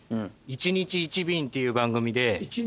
『１日１便』っていう番組で。